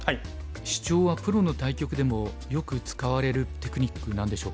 シチョウはプロの対局でもよく使われるテクニックなんでしょうか？